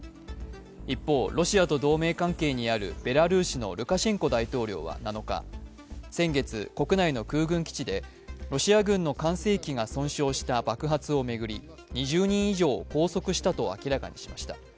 一方、ロシアと同盟関係にあるベラルーシのルカシェンコ大統領は７日、先月、国内の空軍基地でロシア軍の管制機が損傷した爆発を巡り２０人以上を拘束したと明らかにしました。